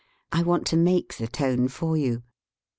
I want to make the tone for you.